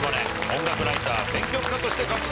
音楽ライター選曲家として活動中。